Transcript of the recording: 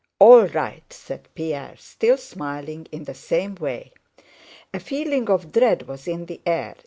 "All right," said Pierre, still smiling in the same way. A feeling of dread was in the air.